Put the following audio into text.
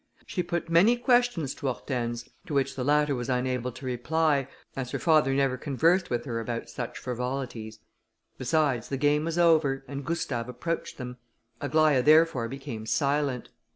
She put many questions to Hortense, to which the latter was unable to reply, as her father never conversed with her about such frivolities; besides, the game was over, and Gustave approached them; Aglaïa therefore became silent.